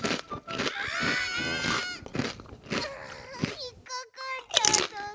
ひっかかっちゃったぐ。